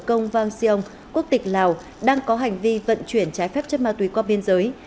công vang siêung quốc tịch lào đang có hành vi vận chuyển trái phép chất ma túy qua biên giới